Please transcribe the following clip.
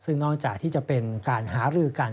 ซึ่งนอกจากที่จะเป็นการหารือกัน